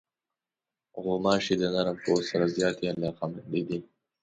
غوماشې د نرم پوست سره زیاتې علاقمندې دي.